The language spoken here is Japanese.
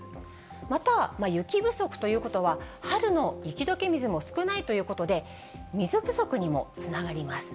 また雪不足ということは、春の雪どけ水も少ないということで、水不足にもつながります。